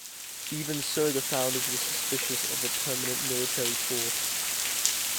Even so, the Founders were suspicious of a permanent military force.